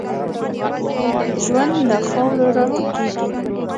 ژوند له خاورو را ټوکېږي.